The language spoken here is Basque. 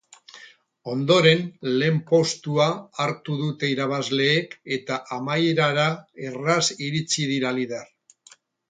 Ondoren lehen postua hartu dute irabazleek eta amaierara erraz iritsi dira lider.